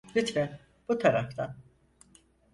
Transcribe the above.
Lütfen, bu taraftan.